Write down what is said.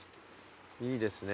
いいですね。